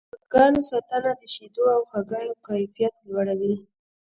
د چرګانو ساتنه د شیدو او هګیو کیفیت لوړوي.